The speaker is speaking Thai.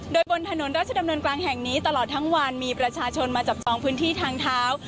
โดยบนถนนราชดำเนินกลางแห่งนี้ตลอดทั้งวันมีประชาชนมาจับจองพื้นที่ทางเท้า